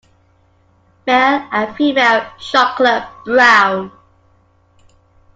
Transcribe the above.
Male and female chocolate brown.